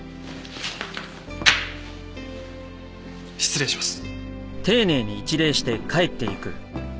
失礼します。